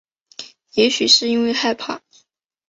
也许是因为害怕